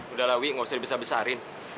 udah lah wih nggak usah dibesar besarin